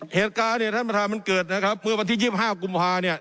เหตุการณ์เนี่ยท่านประธานมันเกิดนะครับเมื่อวันที่๒๕กุมภาเนี่ย